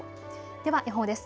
では予報です。